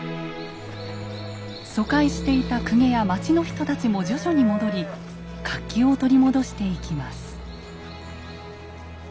疎開していた公家や町の人たちも徐々に戻り活気を取り戻していきます。